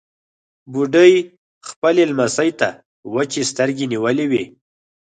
بوډۍ خپلې لمسۍ ته وچې سترګې نيولې وې.